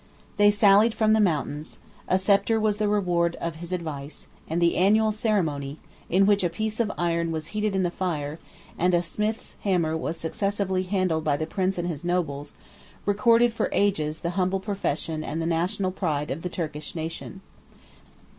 They sallied from the mountains; 25 a sceptre was the reward of his advice; and the annual ceremony, in which a piece of iron was heated in the fire, and a smith's hammer 2511 was successively handled by the prince and his nobles, recorded for ages the humble profession and rational pride of the Turkish nation.